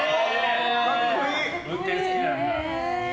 運転好きなんだ。